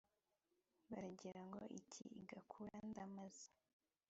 baragira ngo iki igakura ndamaze